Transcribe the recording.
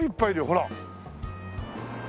ほら。